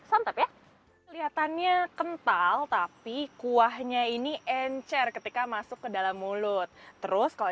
santap ya kelihatannya kental tapi kuahnya ini encer ketika masuk ke dalam mulut terus kalau